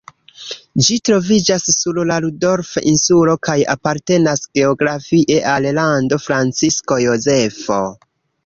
Ĝi troviĝas sur la Rudolf-insulo kaj apartenas geografie al Lando Francisko Jozefo.